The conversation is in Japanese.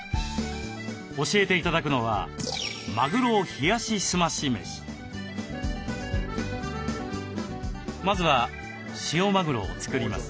教えて頂くのはまずは塩マグロを作ります。